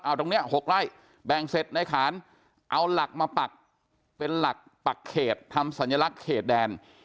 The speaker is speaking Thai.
เอาตรงนี้๖ไร่แบ่งเสร็จในขานเอาหลักมาปักเป็นหลักปักเขตทำสัญลักษณ์เขตแดน